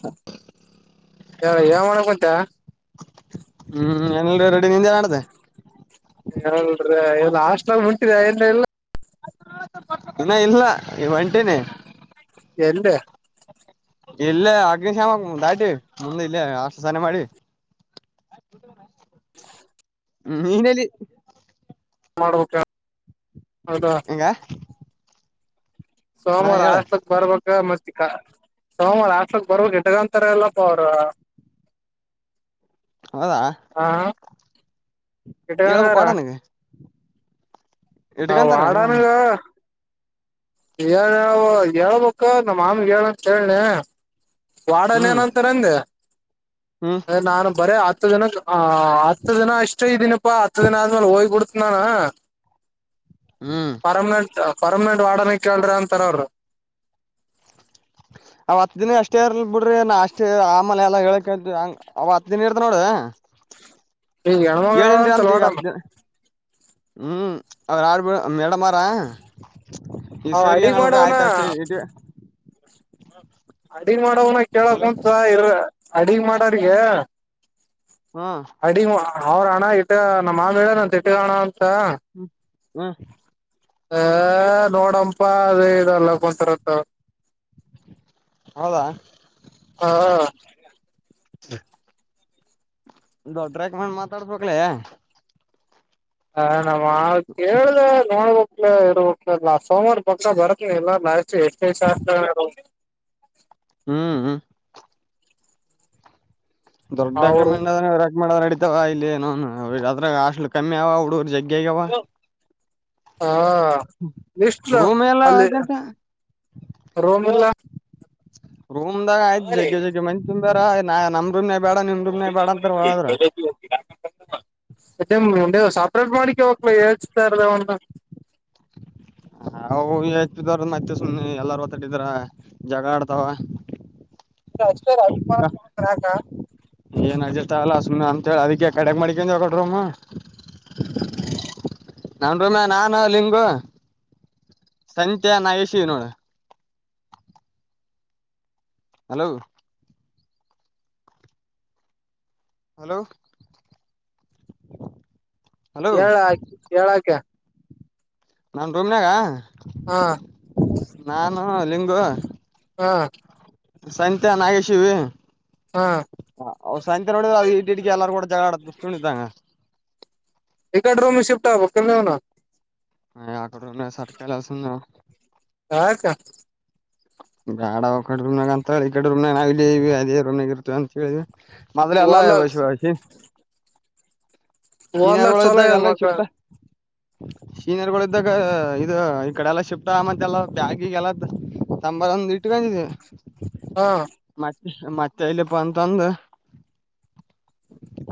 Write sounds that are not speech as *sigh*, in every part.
ಹಾ ಹೇಳ ಯಾವ ಮಾಡ ಕುಂತ ಹ್ಮ್ ಏನಲ್ ರೆಡಿ ನಿಂದೆ ಮಾಡಡ್ದ ಹ್ರಿ ಇ ಹಾಸ್ಟ್ಲಲ್ ಮುಂಟಿದ ಏನ್ ಇಲ್ಲ ಇನ್ನ ಇಲ್ಲ ಒಂಟೇನೆ ಎಲ್ಲಿ ಇಲ್ಲೇ ಅಗ್ನಿಶಾಮ ದಾಟಿ ಮುಂದೆ ಇಲ್ಲೇ ಅಷ್ಟು ಸಾನ ಮಾಡಿ ಹ ಹ್ಮ್ ಹನಲ್ಲಿ ಮಾಡ್ಬೇಕಕ್ಕೆ ಹಂಗ ಹಾ ಸೋಮವಾರ ಹೇಳ ಅಷ್ಟಲ್ ಬರ್ಬೇಕು ಮತ್ತ ಸೋಮವಾರ ಆಷ್ಟಕ್ ಬರ್ ಗಿಟಗಂತಾರ ಎಲ್ಲಪ್ಪ ಅವ್ರ ಹೌದಾ ನೀಬೇಕು ಇಟ್ಕಂಗಾರ ಕೊಡನಗೆ ಹಾ ವಡಾನಗ ಳ್ ಹೇಳ ಮಕ್ಕ ನಮ್ಮ ಮಾಮ ಹೇಳಂತ ಹೇಳನೆ ವಾಡನ್ ಹ್ಮ್ ನ ಅಂತರಂದೆ ಹ್ಮ್ ನಾನು ಬರೇ ಹತ್ತು ಜನ ಹ ಹತ್ತು ದಿನ ಅಷ್ಟ ಇದ್ದೀನಪ್ಪಾ ಹತ್ತು ದಿನ ಆದ್ಮೇಲೆ ಹೋಗಿಬಡ್ತ ನಾನ ಹ್ಮ್ ಪರ್ಮನೆಂಟ್ ಪರ್ಮನೆಂಟ್ ವಾಡನ ಕೇಳ್ರಿ ಅಂತಾರೋಡಿ ಅವ ಹತ್ ದಿನ ಅಷ್ಟೇ ಇರ್ಲ್ ಬಿಡ್ರಿ ನಾ ಅಷ್ಟೇ ಆಮಲೆ ಎಲ್ಲಾ ಹೇಳಕ್ಂಗ ಅವ ಹತ್ ದಿನ ಇರ್ತ ನೋಡ ಹ ಏಳ ಹೆಂ ಅಂತ ಈಗ ಹ್ಮ್ ಅವ್ರ ಆಡ್ಬಡ ಮೇಡಮಾರ ಈ ಅವ್ ಸರಿ ಅಡಿಗ್ ಏನಗ ಆಯ್ತ ಮಾಡವ್ನ ಅಷ್ಟೇ ಇ ಅಡಿ ಮಾಡವನ ಕೇಳಕ್ ಹಲೋ ಉಂಸ ಇರ ಅಡಗ್ ಮಾಡಾರಗ ಹ್ಮ ಅವ್ರಣ್ಣ ಇಟ್ಟ ನಮ್ಮ ಮಾ ಮೇಡ ನನ್ ತಟ್ಟಿಗಣ ಅ ಹ್ಮ್ ಹಾ ಹ ನೋಡಂಪ ಅದ ಇಲ್ಲ ಕೊಂತರಂತ ಹೌದಾ ದೊಡ್ಡ್ರಾಗ ಮಾಡ್ ಮಾತಾಡ್ಬೇಕಕ್ಲೇ ಹ ನ ಕೇಳ್ದ ನೋಡ್ಬ ಇ ನಾ ಸೋಮವಾರ ಪಕ್ಕ ಬರತ್ನ ಇಲ್ಲ ನಾ ಎಷ್ಟು ಹ ಹ್ಮ್ ಹ ಅವರು ದೊಡ್ಡಕ್ರಮ ಮಾಡ ನಡಿತವ ಇಲ್ಲಿ ಏನುದ ಅಷ್ಟಲು ಕಮ್ಮಿ ಅವ ಹುಡುಗರು ಜಗ್ *unintelligible* ಹಾ ಇಷ್ಟು ರೂಮ್ ಎಲ್ಲ ಅಲ್ಲಿ ಆಯ್ತಂತ ರೋಮ ಎಲ್ಲ ರೂಮದಾಗ ಆಯ್ತ್ ಜಗ್ಗೆ ಜಗ್ಗೆ ಮಂ ತಂದಾರ ನಮ *inaudible* ಎತ್ತ ಮುಂಡೆ ಸಪರೇಟ್ ಮಾಡಿಕ ಹೋಗಕ್ಲ ಹಚ್ತ ಇರದ ಒಂದು ಹ ಅವು ಹೆದ್ರ ಮತ್ತೆ ಸುಎಲ್ಲಾರ ಹೊತಾಟಿದ್ರ ಜಗ ಆಡ್ತಾವ *unintelligible* ಏನ್ ಅಡ್ಜಸ್ಟ್ ಆಗಲ್ಲ ಸುಮ್ಮ ಅಂತ ಹೇಳಿ ಅದಕ್ಕೆ ಕಡೆಗ್ ಮಾಡಡಿಕ ಹೊಗಟ್ರಮ್ಮ ನನ್ ರಮ್ಯಾ ನಾನ ಲಿಂಗು ಸಂತ್ಯ ನಾ ಎಸಿದ್ದೀ ನೋಡ ಹಲೋ ಹಲೋ ಹಲೋ ಹೇಳ ಹೇಳಕ ನನ್ ರೂಮ ನಾಗ ಹಾ ನಾನು ಲಿಂಗು ಹಾ ಸತ್ಯ ನಾಗೇಶಿವಿ ಹಾ ಅ ಸಾಯಂತ್ ನೋಡಿದ ಅ ಇಡ್ಕ ಎಲ್ಲಾರೂ ಕೂಡ ಜ ಆಡ ಬಸ್ಕೊಂಡ ಇದ್ದಂಗ ಇಕಾಡಿ ರೂಮ್ ಗಿ ಶಿಫ್ಟ ಆಗಬೇಕು ಹ ಅಕಡೆ ಸರ್ಕಲಸಂದ ಆಯತ ಗಾಡ ಕಡಮ್ನಾಗ ಅಂತ ಹೇಳಿ ಕಡ್ರೂಮನಾಗ ನ ಇ ಅದೇ ರೂಮಾಗ ಇರ್ತವಿ ಅಂತ ಹೇಳವಿ ಮಾದ್ರೆ ಅಲ್ಲ ಓದ್ಲಕ್ ಬಷಷಿ ಚೀನಾರ ಓದ್ಲಕ್ ಒಳ ಚಲೋ ಇ ಇದ್ದಾಗಲ್ಲ ಮಕ್ಳ ಶಿಫ್ಟ ಸೀನಿಯರ್ ಗಳು ಇದ್ದಾಗ ಇದು ಈ ಕಡೆ ಎಲ್ಲ ಶಿಫ್ಟ್ ಆ ಮತ್ತೆ ಎಲ್ಲ ಬ್ಯಾಗಿಿಗೆಲ್ಲ ತಂಬರ್ ಒಂದ್ ಇಟ್ಟಕಂದಿದೀವಿ ಹಾ ಮತ್ತೆ ಇಲ್ಲಿಪ್ಪ ಅಂತ ಅಂದು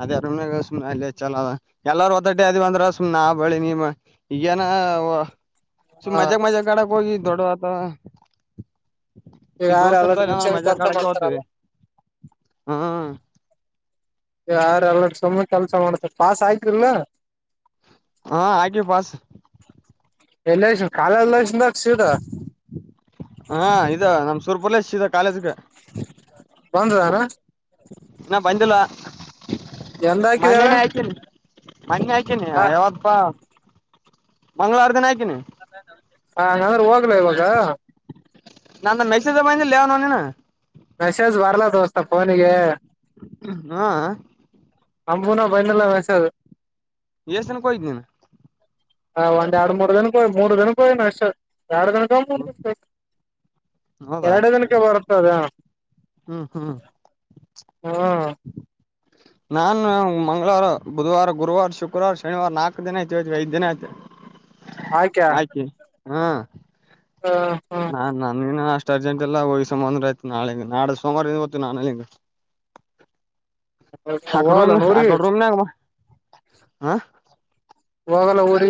ಅದಾರನ ಸ ಚಲೋದ ಎಲ್ಲಾರ ಹೊತ್ತಟ್ಟ ಅದ ಅಂದ್ರ ಸ್ ನಾ ಬಳಿ ನಿಮ್ಮ ಈಗೇನ ಶು ಹ ಮಜಾಕ್ ಮಜಾಕ ಗಡ ಕ ದೊಡೋತ ಈಗ ಈ ಯಾರ ದೋಸ್ ಎಲ್ಲ ಇರ್ತ ಮುಂಚೆ ಅಂದ್ರೆ ಮಜಾ ಕೆಲಸ ಕಳಕ್ಕೆ ಹೋ್ವಿ ಮಾಡ್ತಾರಲ್ಲ ಹ್ಮ್ ಯಾರಲ್ಲ ಸುಮ್ಮನೆ ಕೆಲ್ಸ ಮಾಡ್ತಾರೆ ಪಾಸ್ ಆಯತ್ರಿಲ ಹಾ ಆಗೆ ಪಾಸ ಎಲ್ಲ ಕಾಲ ಎಲ್ಲಸನ್ಕ್ಸದ ಹಾ ಇದ ನಮ್ ಸೂರಪುರ ಲೇ ಕಾಲೇಜ್ಗೆ ಬಂದದಾರ ಇ ಬಂದಲ್ವಾ ಎಂದ ಹಾಕಿದಿ ಹೇಳು ಮನ್ನ ಹಾಕಿನಿ ಯಾವತ್ತಪ್ಪಾ ಮಂಗಳವಾರ ದಿನ ಹಾಕಿನಿ ಹಂಗಂದ್ರೆ ಹೋಗ್ಲ ಇವಾಗ ನಂತ ಮೆಸೇಜ ಬಂದ ಲೇವನೋ ನೀನು ಮೆಸೇಜ್ ಬರ್ಲ ದೋಸ್ತ ಫೋನಿಗೆ ಹಾ ಸಂಂಬೂಣ ಬೈನಲ್ಲ ವಸದು ಎಷ್ಟ ಜನಕ್ಕೆ ಹಯ್ದ ನೀನು ಹ ಒಂದ್ ಎರಡು ಮೂರು ದನಕ್ಕೆ ಹಯ್ ಮೂರು ಜನಕ್ಕೆ ಹಯ ನ ಅಷ್ಟ ಎರಡು ದಿನಕ ಹೌದಾ ಎರಡು ದಿನಕ ಬರ್ತದ ಹ್ಮ್ ಹ್ಮ್ ಹ್ಮ ನಾನ್ ಮಂಗಳವಾರ ಬುಧವಾರ ಗುರುವಾರ ಶುಕ್ರವಾರ ಶನಿವಾರ ನಾಲ್ಕು ದಿನ ಆಯ್ತಿವಿಐ್ವಿ ಐದ್ ದಿನ ಆಯತವಿ ಆಯಕ ಹ್ಮ ನಾ ನನ್ಗಿನ ಅಷ್ಟ ಅರ್ಜೆಂಟ್ ಎಲ್ಲ ಹೋಗಿ ಸಂಬ ಆಯ್ತು ನಾಳ ಹಂಗ ನಾಡೆ ಸೋಮವಾರಿಂದ ಗತ್ತುು ನಾಳ ಹಂಗ ಸಕಡ ಹೋಗಲ್ಲ ಊರಿಗೆ ಆಕಡ ರೂಮ ನ ಹ ಹಲ್ಲ ಓಡಿ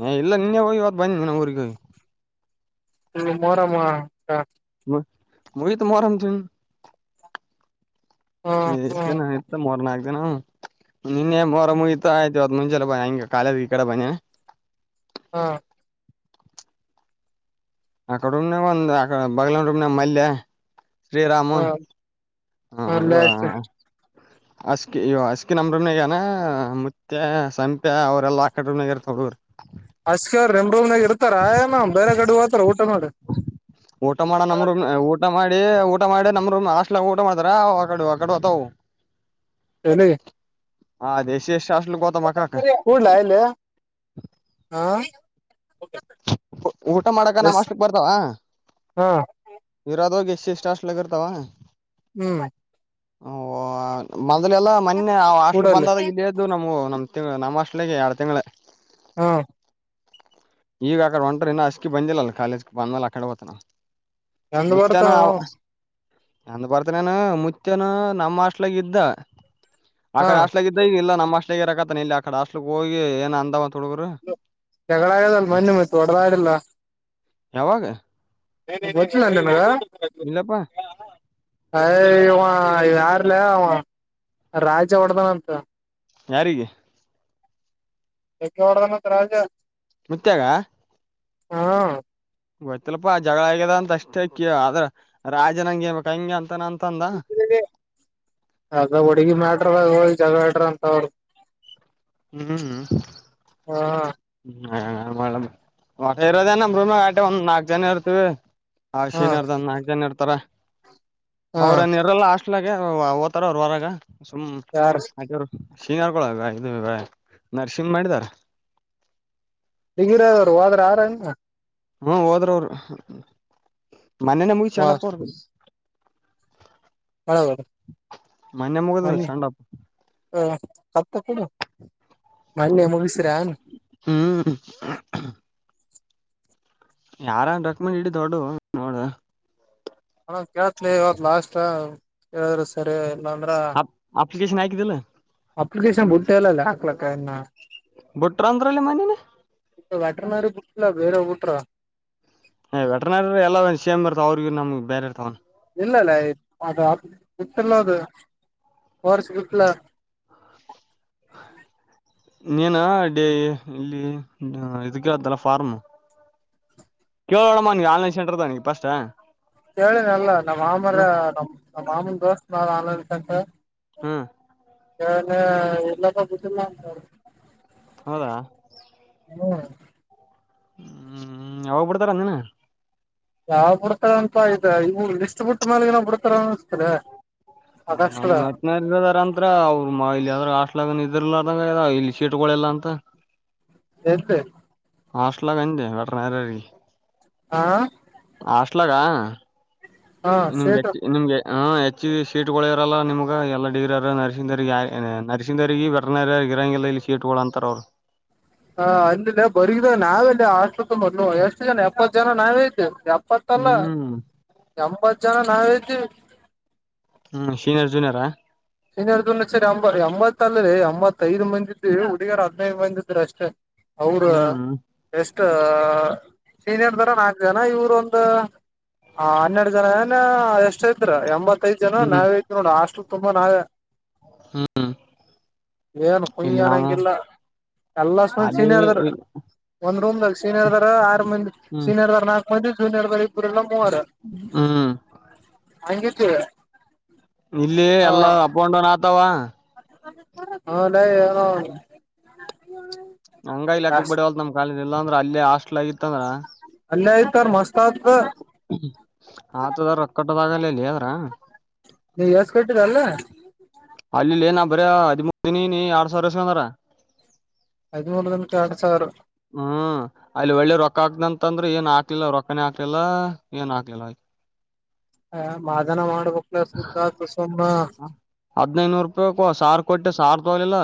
ಹ ಇಲ್ಲ ನಿನ್ನೆ ಹೋಗಿ ಇವತ್ತು ಬಂದಿ ನನ ಊರಿಗೆ ಮೋರಮ್ಮ ಹ ಮುತ ಮರಮ ಇ ಹ್ಮ ಎತ್ತ ಮರರಣ ಆಗದೆನ ನಿನ್ನೆ ಮರ ಮುಯತ ಆಯ್ತ ಇವತ್ ಮುಂಚೆ ಬ ಹಂಗೆ ಕಾಲದ ಈ ಕಡೆ ಬನ್ನಿ ಹಾ ಅಕಡ ಉಮನೆವು ಒಂದು ಅ ಬಗಲಂಡ ರ ಉಮನೆ ಮಲ್ಲೆ ಶ್ರೀರಾಮು ಹ ಹಾ ಅಲ್ಲೇ ಇ ಆಯ್ತು ಅಸ್ಕಿ ಇ ಅಸ್ಕಿ ನರಾನ ಸಂಪ್ಯಾ ಅವರ ಎಲ್ಲ ಲ ಆಕಡಗರ ಥೋಡ ಅಷ್ಟಕ ಅವ್ ರೆಮ್ ರೂಮದಾಗ ಇರ್ತಾರ ಆಯನ ಬೇರೆ ಕಡೆ ಹೋಗತಾರ ಊಟ ನೋಡ ಊಟ ಮಾಡ ನಮ್ರರು ಊಟ ಮಾಡಿ ಊಟ ಮಾಡಿ ನಮರು ಅಷ್ಟಲ ಊಟ ಮಾಡ್ರ ಕ ಆ ಕುವತ ನ ಹಾ ದಸಿ ಎಷ್ಟ ಅಷ್ಟಲು ಗತ ಮಕ್ಕಕ ಕೂಡ್ಲಾ ಇಲ್ಲಿ ಹ ಊಟ ಮಾಡಕ ನಮ್ಮ್ ಎಸ್ ಅಷ್ಟಕ್ ಬರ್ತಾವ ಹಾ ಇರೋದ ಹೋಗಿ ಸ್ಟ ಲಗತಾವ ಹ್ಮ್ ಮೊದ್ಲೆಲ್ಲಾ ಮೊನ್ನೆ ಆ ಹಾಸ್ಟ್ಲ್ ಕೂಡಲ್ಲಿ ಬಂದಾದಗ ಇಲ್ಲ್ದು ನಮ ನಮ್ದ ತಿಂ ನಮ್ಮ ಹಾಸ್ಟೆಲ್ ಎರಡು ತಿಂಗಳು ಹಾ ಈಗ ಆ ಕಡೆ ಒಂಟ್ರ ಇನ್ನು ಅಸ್ಕ ಬಂದಿಲ್ಲ ಅಲ್ಲ ಕಾಲೇಜ್ ಬಂದ ಮೇಲೆ ಆ ಕಡೆ ಹ್ನ ಎಂತ ಪರತ *inaudible* ನಂದ್ ಬರ್ತನೇನ ಮುಚ್ಚನು ನಮ್ಮ ಹಾಸ್ಟೆಲ್ ನಾಗ ಇದ್ದ ಆ ಹಾ ಕಡೆ ಹಾಸ್ಲಾಗ ಇದ್ದ ಈಗ ಇಲ್ಲ ನಮ್ಮ ಅಸ್ಲಗ ಇರಕತಾನ ಇಲ್ಲಿ ಆ ಕ ಹಸ್ಟ್ಲಿಕ್ ಹೋಗಿ ಏನ್ ಅಂದ ಜಗಳ ಆಗದಲ್ ಮೊನೆ ಮ ಒಡದಾಡಲ್ಲ ಯಾವಾಗ ಗಚ್ಚಿಲ್ಲಟನಗ ಇಲ್ಲಪ್ಪಾ ಹ ಹ ಯಾರ್ಲ ರಾಜ ಹೊಡದನಂತ ಯಾರಿಗೆ ಯಕ ಹೊಡ್ದ ಮತ್ ರಾಜ ಮತ್ಯಾಗ ಹಾ ಗೊತ್ತಲ್ಪಾ ಜಗಳ ಆಗ್ಯದ ಅಂತ ಅಷ್ಟೇ ಕ ಆದ್ರ ರಾಜನಂಗೆಂಗೆ ಅಂತ ನಂತ ಆಗ ಹುಡುಗಿ ಮಾಡ್ಯಾರಿ ಜಗ ಹಡ್ರಂತ ಹ ಹ್ಮ್ ಹಾ ಹ ಇರೋದೇ ನೂಮ ಆಟೆ ಒಂದ್ ನಾಲ್ಕ್ ಜನ ಇರ್ತವಿ ಹ ಶನ್ರ್ದ ನಾಕಕ್ ಜನ ಇರ್ತಾರ ಹ ಅವ್ರ ನ್ ಇರಲ್ಲ ಹಾಸ್ಟ್ಲಾಗ ಓತಾರ ಅವರು ಹೊರಾಗ ಸುಮ್ ಯಾರ ಹಾಗವರು ಶಿಂಗ್ ಹಾರ್ಕೊಳ ಬ ಇದು ಬ ನರ್ಸಿಂಗ್ ಮಾಡಿದಾರ ಹಗಿರದರು ಹದ್ರ ಆರನ್ ಹ್ಮ ಹೋದ್ರ ಅವರು ಮನನೆ ಮುಗ ಚಂಡಪ್ಪ ಅವ್ರ ಹಳ ಮೊನ್ನೆ ಮುಗದ ಮನ್ನಿ ಚಂಡಪ್ಪ ಹ ಸತ್ತ ಕೊಡು ಮಣ್ಣೆ ಮುಗಸ್ರನ್ ಹ್ಮ್ ಯಾರ ರಕ್ಮಂಡ್ ಇಡ ದೊಡ್ಡು ನೋಡ ಇವಾಗ ಲಾಸ್ಟ್ ಹೇಳಿದ್ರರು ಸರಿ ಇಲ್ಲಾ ಅಂದ್ರ ಕನ್ ಆಕಿದ್ದಲ್ಲ ಅಪ್ಲಿಕೇಶನ್ ಬುಟ್ಟ ಎಲ್ಲಲ್ಲ ಹಾಕ್ಲಕ್ಕ ಇನ್ನ ಬಿಟ್ರ ಅಂದ್ರಲ್ಲಿ ಮನೇನೆ ವಟರ್ ನಾರಿ ಬಟ್ಟಿಲ್ಲ ಬೇರೆ ಊಟ್ರ ವೆಟ್ರನರಿ ಎಲ್ಲ ಸೇಮ್ ಬರ್ತ ಅವ್ರಗ ನಮ್ಗೆ ಇಲ್ಲ ಇಲ್ಲ ಅ ಇಟ್ಟಲ ಅದು ಹೊರ್ಸ ಇಟ್ಲ ನೀನು ಡೇ ಇಲ್ಲಿ ಇದು ಕೇಳ್ದಲ್ಲ ಫಾರ್ಮು ಕೇಳೋ ನೋಡಮ್ಮ ಆನ್ಲೈನ್ ಸಂಟರ್ದಾಗ ನಿನ್ ಫಸ್ಟ್ ಕೇಳಿನಲ್ಲ ನಮ್ಮ್ ಮಾಮರ ಹ್ಮ್ ನಮ್ ನಮ್ಮ್ ಮಾಮನ ದೋಸ್ತನ ಆನ್ಲೈನ್ ಸೆಂಟರ್ ಹ್ಮ್ ಯ ಎಲ್ಲಪ್ಪ ಗತ್ತಿಲ್ಲಂತ ಹೌದಾ ಹ್ಮ ಹ್ಮ್ ಅವೋಗ್ಬಿಡ್ತಾರಂದಿನ ಯಾವ್ ಬಿಡ್ತಾರ ಅಂತ ಆ್ತ ಇವು ಲಿಸ್ಟ್ ಬಿಟ್ಟ ಮ್ಯಾಲಗ ನಾವ್ ಬಿಡ್ತಾರ ಅನಿಸ್ತದೆ ನಮ್ ನಟನದಾರಂತ್ರ ಅವ್ರರು ಇ ಲಗನ್ ಇದ್ರಲದಂಗ ಇಲ್ಲಿ ಶೀಟ್ಗಳೆಲ್ಲಾ ಅಂತ ಎೇತ *inaudible* ಹಾಸ್ಟಲ್ ಕೆ ವೇಟನರಿ ಹಾ ಹಾಸ್ಟೆಲಾಗ ಹಾ ನಿಮ್ಗೆ ಸೇಟ ನಿಮ್ಗೆ ಹ್ ಹೆಚ್ಚ ಶೀಟ್ಗಳ ಇರಲ್ಲ ನಿಮ್ಗ ಎಲ್ಲ ಡಿಗ್ರಿರ ನರ್ಸಿಂಗ್ ನರ್ಸಿಂಗ್ ಅವ್ರಿಗೆ ವೇಟರ್ನರಿ ಇರಂಗಿಲ್ಲ ಇಲ್ಲಿ ಸೀಟ್ಗಳು ಅಂತಾರ ಅವ್ರು ಹ ಅಲ್ಲಿಲ್ಲ ಬರಗಿದ ನಾವೆಲ್ಲಿ ಹಾಸ್ಟೆಲ್ ಮೊದ್ಲು ಎಷ್ಟು ಜನ ಎಪ್ಪತ್ ಜನ ನಾವೇಯಿದ್ದೇವೆ ಎಪ್ಪತ್ತಲ್ಲ ಹ್ಮ್ ಎಂಬತ್ತು ಜನ ನಾವೇಯಿದೀವಿ ಹ್ಮ್ ಸೀನಿಯರ್ ಜೂನಿಯರಾ ಸೀನಿಯರ್ ಜೂನಿಯರ್ ಸೇರಿ ಎಂಬತ್ತ ಅಲ್ರಿ ಎಂಬತ್ತ್ತೈದು್ ಮಂದಿ ಇದವಿ ಹುಡುಗಿಯರ್ ಹದಿನೈದು ಮಂದಿ ಇದರೀ ಅಷ್ಟೇ ಅವರ ಹ್ಮ್ ಎಷ್ಟ ಸೀನಿಯರ್ ದರ ನಾಲ್ಕು ಜನ ಇವರ ಒಂದು ಆ ಹನ್ನೆರಡು ಜನ ಏನ ಎಷ್ಟ ಐತ್ ಎಂಬತ್ತೈದ್ ಜನ ನಾವ ಐತ್ ನೋಡ ಹಾಸ್ಟೆಲ್ ತುಂಬಾ ನಾವೇ ಹ್ಮ್ ಏನ್ ಕುಯಿನ್ ಇಲ್ಲಿ ನಾವು ಏನಂಗಿಲ್ಲ ಎಲ್ಲಷ್ಟಂದ ಅಲ್ಲಿ ಸೀನಿಯರ್ದ್ರ ಒಂದ್ ರೂಮ್ನಾಗ ಸೀನಿಯರ್ ದ ಆರ್ ಮಂದಿ ಹ್ಮ್ ಸೀನಿಯರ್ ದ ನಾಕಕ್ ಮಂದಿ ಜೂನಿಯರ್ ಬರಿ ಇಬ್ರಲ್ಲ ಮೂವರು ಹ್ಮ್ ಹಂಗ್ ಇದ್ವಿ ಇಲ್ಲಿ ಎಲ್ಲ ಅಪ್ ಅಂಡ್ ಡೌನ್ ಆತಾವ ಏನೋ ಹಂಗ ಇಕ್ಕಕ್ ಬಿಡವಲ್ ನಮ್ ಕಾಲೇಜ್ ಇಲ್ಲ ಅಂದ್ರ ಅ ಹಾಸ್ಟೆಲ್ಗ್ ಅಲ್ಲೇ ಐತಾರ ಮಸ್ತ್ ಆತ್ ಆತದ ರೊಕ್ಕಟ್ಟದಾಗ ಲಲ್ಲೆ ಆಗರ ಎಸ್ಟ್ ಕಟ್ಟಿದೆ ಅಲ್ಲಿ ಅಲ್ಲಿಲ್ಲಿ ನಾ ಬರ ಹದಿಮೂರು ದಿನ ಇದೀನಿ ಎರಡು ಸಾವಿರ ಇಸ್ಕೊಂಡರ ಹದಿಮೂರು ದಿನಕ್ಕೆ ಎರಡು ಸಾವಿರ ಹ್ಮ್ ಅಲ್ಲಿ ಒಳ್ಳೆ ರೊಕ್ಕ ಹಾಕ್ದಂತಂದ್ರೆ ಏನ್ ಹಾಕ್ಲಿಲ್ಲ ರೊಕ್ಕನೇ ಹಾಕ್ಲಿಲ್ಲ ಏನ್ ಹಾಕ್ಲಿಲ್ಲ ಆಯ್ತ ಹ ಮಾದನ ಮಾಡ್ಬೇಕಕ್ಲ ಸುಮ್ನ ಹದ್ನೈನೂರು ರೂಪಾಯಿ ಸಾವಿರ ಕೊಟ್ಟೆ ಸಾವಿರ ತೊಗಲಿಲ್ಲ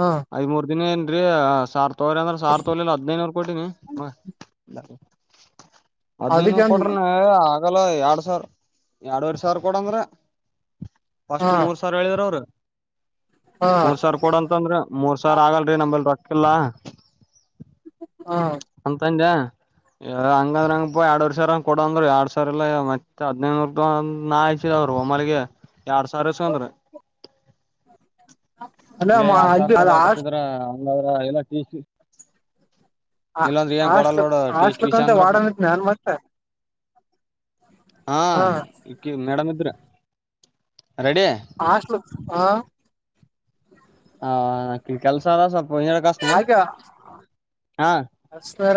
ಹ ಹದಿಮೂರು ದಿನ ಏನ್ರರಿಸಾವಿರ ತೋಕೋರಿ ಅಂದ್ರೆ ಸಾವಿರ ತೋಕೋಲಿಲ್ಲ ಹದಿನೂರು ಕೋಟಿ ನೀ ಹದ್ನೈನೂರ್ ಕೊಟ್ರಿ ಅದಕ್ಕಂದ ಆಗಲ್ಲ ಎರಡ್ ಸಾವಿರ ಎರಡ್ವರ್ ಸಾವಿರ ಕೊಡಂದ್ರ ಫ್ರಿಸ್ಟ್ ಹ ಮೂರ್ ಸಾವಿರ ಹೇಳಿದ್ರು ಅವ್ರು ಹ ಮೂರ್ ಸಾವಿರ ಕೊಡು ಅಂತಾದ್ರು ಮೂರ್ ಸಾವಿರ ಆಗಲ್ರಿ ನಂಬಲ್ ರೊಕ್ಕಿಲ್ಲ ಹ ಅಂತದ್ಯಾ ಹಂಗಂದ್ರ ಹೆಂಗಪ್ಪಾ ಎರಡ್ವರ್ ಸಾವರ ಕೊಡ ಅಂದ್ರರು ಎರಡ್ ಸಾವರ ಇಲ್ಲ ಮತ್ತತ್ ಹದ್ನೈದುನೂರ್ ನಾನ್ ರೋಮ್ಮಲಿಗೆ ಎರಡ್ ಸಾವ ಇಸ್ಕೊಂಡ್ರು ಅಲ್ಲ ಹೇ ಎರಡು ಸಾವಿ ಅಲ್ಲಿ ಅ ಕೂಡ ಆಸ್ ಯಟತ್ತಿದ್ರ ಇಂಗಾದ್ರ ಎಲ್ಲಾ ಟಿಸಿ ಇಲ್ಲೊಂದ್ರ ಏನ್ ಕೊಡಲ್ಲ ಹಾಸ್ಟ್ಲ್ ನೋಡು ಹಾಸ್ಟ್ಲಕ್ ಟಿಸಿ ಅಂತ ಅಂದ್ರ ವಾಡನ್ ಇದ್ನ ನಾನ್ ಮತ್ತೆ ಹಾ ಹ ಮೇಡಮ್ ಇದ್ರು ಆಷ್ಟ ಲ ಹಾ ಹ ನ ಕೆಲ್ಸ ಎ ಸ್ವಲ್ಪ ಹಿಂದಗಡೆ ಹಾಸ್ನಿ ಆ ಹಾ ಅಷ್ಟರ